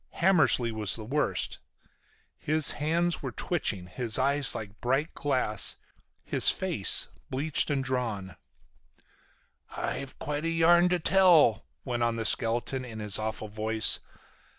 Hammersly was worst. His hands were twitching, his eyes were like bright glass, his face bleached and drawn. "I've quite a yarn to tell," went on the skeleton in his awful voice.